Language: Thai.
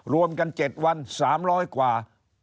รวมกัน๗วัน๓๐๐กว่า